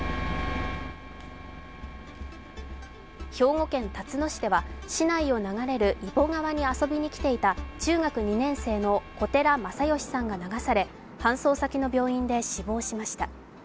兵庫県たつの市では、市内を流れる揖保川に遊びに来ていた中学２年生の小寺正義さんが流され搬送先の病院で死亡しました。